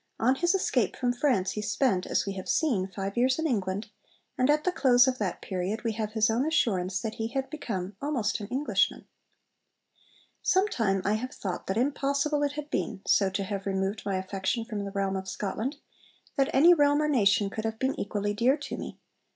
On his escape from France he spent, as we have seen, five years in England, and at the close of that period we have his own assurance that he had become almost an Englishman. 'Sometime I have thought that impossible it had been, so to have removed my affection from the realm of Scotland, that any realm or nation could have been equally dear to me.